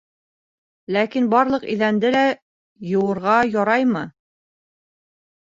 Ләкин барлыҡ иҙәнде лә йыуырға яраймы?